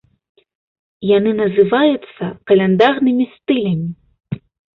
Яны называюцца каляндарнымі стылямі.